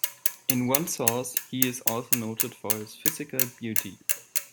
In one source, he is also noted for his physical beauty.